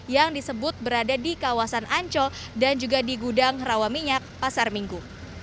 yang disebut berada di kawasan ancol dan juga di gudang rawaminyak pasar minggu